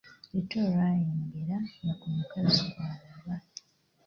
Bittu olwayingira nga ku mukazi kw'alaba.